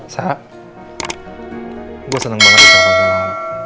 sa gue seneng banget disini